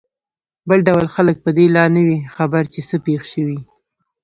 بل ډول خلک په دې لا نه وي خبر چې څه پېښ شوي.